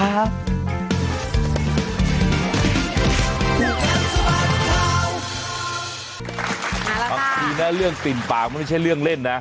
น่ารักครับบางทีนะเสียงปากไม่ใช่เรื่องเล่นนะ